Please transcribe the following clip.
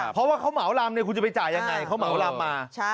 เพราะว่าเขาเหมาลำเนี่ยคุณจะไปจ่ายยังไงเขาเหมาลำมา